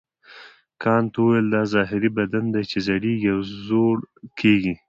کانت وویل دا ظاهري بدن دی چې زړیږي او زوړ کیږي.